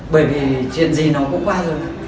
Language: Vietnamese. bởi vì chuyện gì nó cũng qua rồi